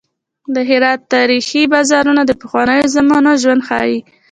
د هرات تاریخي بازارونه د پخوانیو زمانو ژوند ښيي.